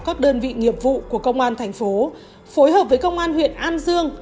các đơn vị nghiệp vụ của công an tp phối hợp với công an huyện an dương